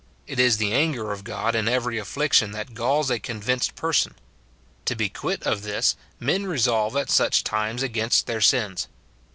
It is the anger of God in every afflic tion that galls a convinced person. To be quit of this, men resolve at such times against their sins.